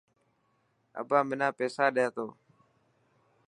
ابا منا پيسا ڏي تو.